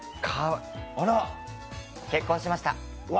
結婚しました。